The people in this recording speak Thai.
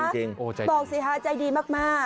บอกสิคะใจดีมาก